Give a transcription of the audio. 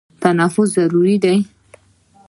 تنفس ضروري دی.